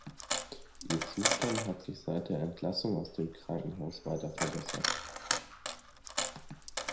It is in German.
Ihr Zustand hat sich seit der Entlassung aus dem Krankenhaus weiter verbessert.